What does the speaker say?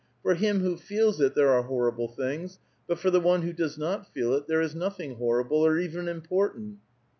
*' For him who feels it there are horrible things, but for the one who does not feel it there is nothing horrible, or even important."